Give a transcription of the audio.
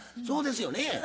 そうですよね？